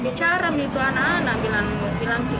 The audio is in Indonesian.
bicara mie itu anak anak